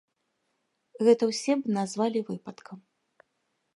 Гэта ўсе б назвалі выпадкам.